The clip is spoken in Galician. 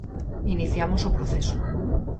Iniciamos o proceso.